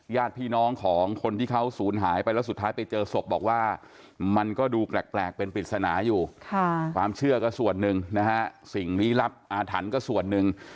ญาติพี่น้องของคนที่เขาศูนย์หายไปแล้วสุดท้ายไปเจอศพบอกว่ามันก็ดูแปลกเป็นปริศนาอยู่ความเชื่อก็ส่วนหนึ่งนะฮะสิ่งลี้ลับอาถรรพ์ก็ส่วนหนึ่ง